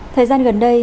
thời gian gần đây